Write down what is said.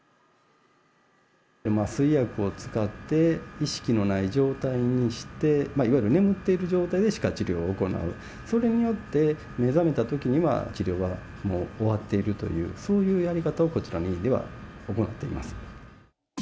麻酔薬を使って、意識のない状態にして、いわゆる眠っている状態で歯科治療を行う、それによって目覚めたときには治療はもう終わっているという、そういうやり方をこちらの院では行っております。